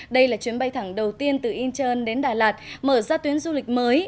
đây là chuyến bay thẳng đầu tiên từ incheon đến đà lạt mở ra tuyến du lịch mới